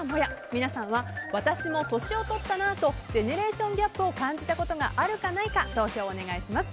皆さんも私も年を取ったなとジェネレーションギャップを感じたことが、あるかないか投票をお願いします。